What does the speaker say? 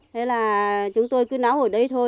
thế là chúng tôi cứ nấu ở đây thôi